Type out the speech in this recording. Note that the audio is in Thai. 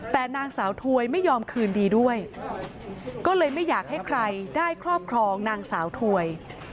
แต่นางสาวถวยไม่ยอมคืนดีด้วยก็เลยไม่อยากให้ใครได้ครอบครองนางสาวถวย